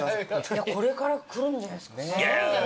これから来るんじゃないですか。